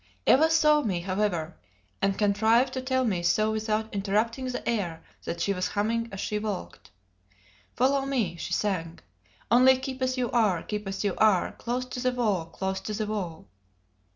Eva saw me, however, and contrived to tell me so without interrupting the air that she was humming as she walked. "Follow me," she sang, "only keep as you are, keep as you are, close to the wall, close to the wall."